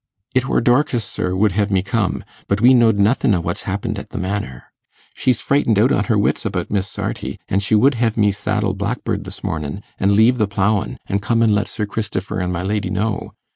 'It war Dorkis, sir, would hev me come; but we knowed nothin' o' what's happened at the Manor. She's frightened out on her wits about Miss Sarti, an' she would hev me saddle Blackbird this mornin', an' leave the ploughin', to come an' let Sir Christifer an' my lady know.